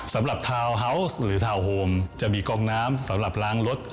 ทาวน์ฮาวส์หรือทาวน์โฮมจะมีกองน้ำสำหรับล้างรถ